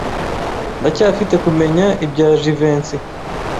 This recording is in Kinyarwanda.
Ndacyafite kumenya ibya Jivency.